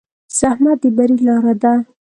زحمت د بری لاره ده.